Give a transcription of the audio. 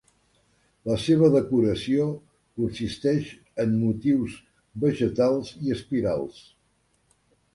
La seva decoració consisteix en motius vegetals i espirals.